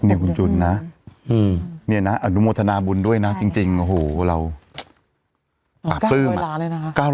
นี่คุณจุนนะนี่นะอนุโมทนาบุญด้วยนะจริงโอ้โหเราปากปลื้มอะ๙๐๐ล้านเลยนะ